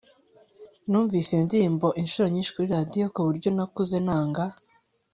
numvise iyo ndirimbo inshuro nyinshi kuri radio kuburyo nakuze nanga